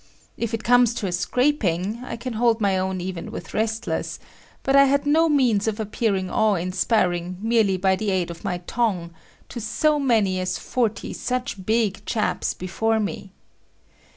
If it comes to a scraping, I can hold my own even with wrestlers, but I had no means of appearing awe inspiring[E], merely by the aid of my tongue, to so many as forty such big chaps before me.